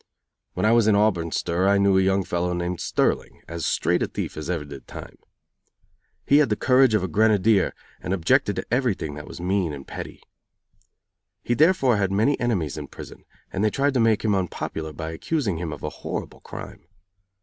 When I was in Auburn stir I knew a young fellow named Sterling, as straight a thief as ever did time. He had the courage of a grenadier and objected to everything that was mean and petty. He therefore had many enemies in prison, and they tried to make him unpopular by accusing him of a horrible crime.